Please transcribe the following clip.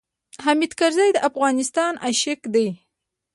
حامد کرزی د افغانستان عاشق دی.